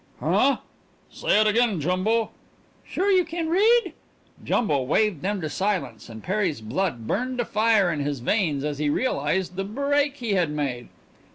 "Huh?" "Say it again, Jumbo!" "Sure you can read?" Jumbo waved them to silence and Perry's blood burned to fire in his veins as he realized the break he had made.